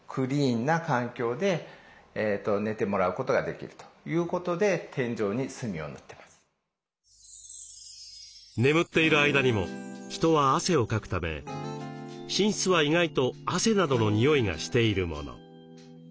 これ何かというと眠っている間にも人は汗をかくため寝室は意外と汗などの匂いがしているもの。